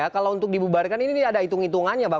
kalau untuk dibubarkan ini ada hitung hitungannya bang